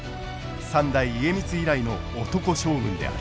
三代家光以来の男将軍である。